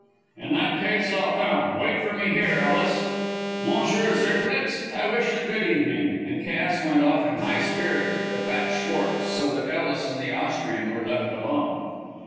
"In that case I'll come. Wait for me here, Ellis. M. Zirknitz, I wish you good evening," and Cass went off in high spirits with the fat Schwartz, so that Ellis and the Austrian were left alone.